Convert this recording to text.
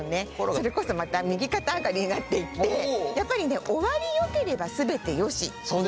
それこそまた右肩上がりになっていってやっぱりね「終わりよければ全てよし」になるんですよね。